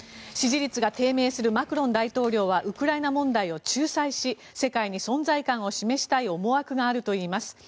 支持率が低迷するマクロン大統領はウクライナ問題を仲裁し世界に存在感を示したい思惑があるといいます。